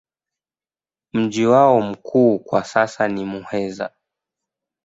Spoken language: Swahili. Mji wao mkuu kwa sasa ni Muheza.